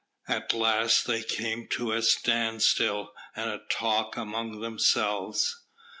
At last they came to a standstill, and a talk among themselves.